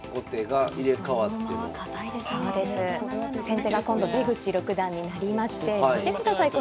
先手が今度出口六段になりまして見てください